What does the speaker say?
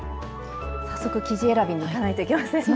早速生地選びに行かないといけませんね！